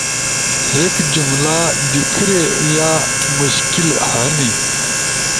کہ ایک جملہ بیکھری یا مشکل ہنی،